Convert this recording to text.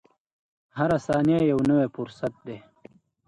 • هره ثانیه یو نوی فرصت دی.